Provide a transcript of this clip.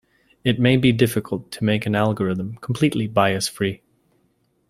It may be difficult to make an algorithm completely bias-free.